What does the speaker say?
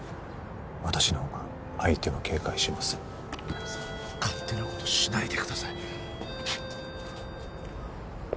私の方が相手は警戒しません皆実さん勝手なことしないでください